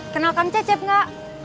kenal kang cecep gak